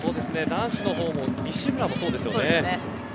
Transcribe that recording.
男子の方の西村もそうですよね。